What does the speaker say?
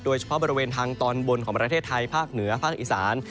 โดยเฉพาะบริเวณทางตอนบนของประเทศไทยภาคเหนือภาคอีสาน